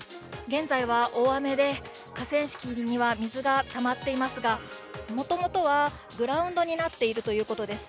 現在は大雨で河川敷には水がたまっていますが、もともとはグラウンドになっているということです。